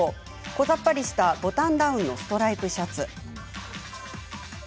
こざっぱりしたボタンダウンのストライプシャツ。